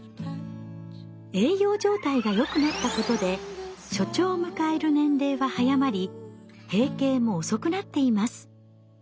栄養状態がよくなったことで初潮を迎える年齢は早まり閉経も遅くなっています。